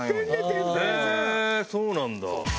そうなんだ。